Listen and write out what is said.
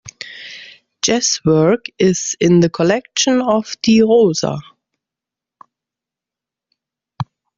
Jess' work is in the collection of di Rosa.